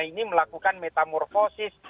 ini melakukan metamorfosis